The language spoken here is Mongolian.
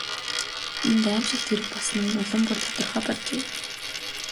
Энд аймшигт хэрэг болсон нь улам бүр тодорхой болжээ.